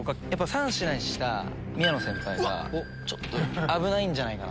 ３品にした宮野先輩が危ないんじゃないかな。